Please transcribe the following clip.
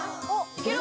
いける？